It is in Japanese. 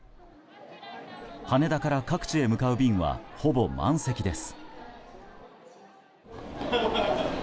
羽田から各地へ向かう便はほぼ満席です。